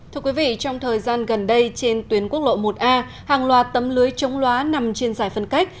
thưa quý vị trong thời gian gần đây trên tuyến quốc lộ một a hàng loạt tấm lưới chống loá nằm trên giải phân cách